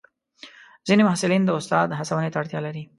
ځینې محصلین د استاد هڅونې ته اړتیا لري.